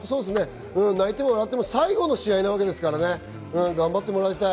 泣いても笑っても最後の試合なわけですからね、頑張ってもらいたい。